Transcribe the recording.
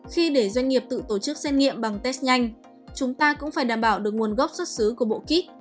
khi để doanh nghiệp tự tổ chức xét nghiệm bằng test nhanh chúng ta cũng phải đảm bảo được nguồn gốc xuất xứ của bộ kít